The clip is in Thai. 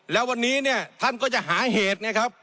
และวันนี้ท่านก็จะหาเหตุ